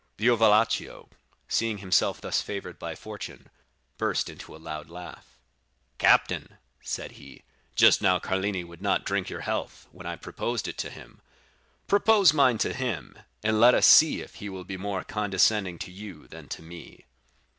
Diavolaccio, seeing himself thus favored by fortune, burst into a loud laugh. "'Captain,' said he, 'just now Carlini would not drink your health when I proposed it to him; propose mine to him, and let us see if he will be more condescending to you than to me.